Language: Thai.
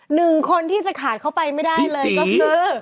หนึ่งคนที่จะขาดเข้าไปไม่ได้เลยก็คือ